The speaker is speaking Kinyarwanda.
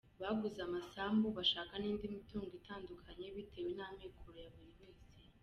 Baguze amasambu bashaka n’indi mitungo itandukanye bitewe n’amikoro ya buri wese.